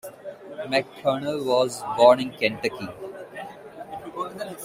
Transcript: McConnell was born in Kentucky.